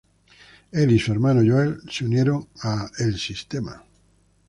Él y su hermano Joel se unieron a El Sistema.